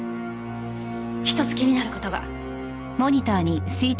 １つ気になる事が。